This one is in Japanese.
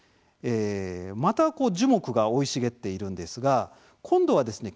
また樹木が生い茂っているんですが今度はですね